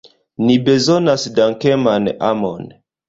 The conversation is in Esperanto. Ni bezonas dankeman amon!